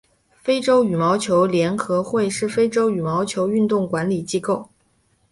非洲羽毛球联合会是非洲羽毛球运动管理机构。